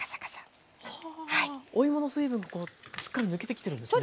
お芋の水分こうしっかり抜けてきてるんですね。